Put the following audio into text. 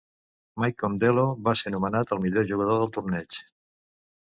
Mike Condello va ser nomenat el millor jugador del torneig.